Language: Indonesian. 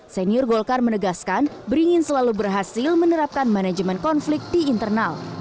senior golkar menegaskan beringin selalu berhasil menerapkan manajemen konflik di internal